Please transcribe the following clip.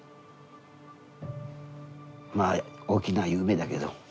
まあ大きな夢だけど。